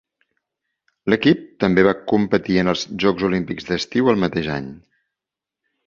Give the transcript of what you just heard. L'equip també va competir en els Jocs Olímpics d'Estiu el mateix any.